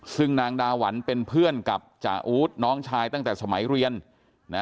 ซึ่งนางดาหวันเป็นเพื่อนกับจ่าอู๊ดน้องชายตั้งแต่สมัยเรียนนะ